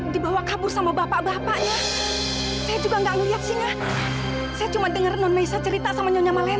dibawa kabur sama bapak bapaknya saya juga gak ngeliat sih nga saya cuma dengar non maisya cerita sama nyonya malena